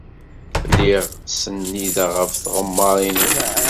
Lliɣ ttsennideɣ ɣef tɣemmar-inu.